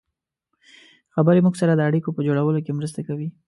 خبرې موږ سره د اړیکو په جوړولو کې مرسته کوي.